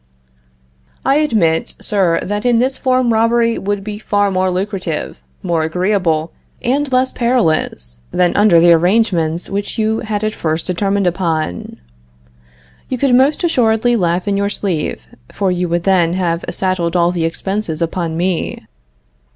I admit, sir, that in this form robbery would be far more lucrative, more agreeable, and less perilous than under the arrangements which you had at first determined upon. I admit that for you it would offer a very pleasant prospect. You could most assuredly laugh in your sleeve, for you would then have saddled all the expenses upon me.